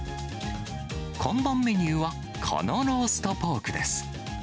看板メニューは、このローストポークです。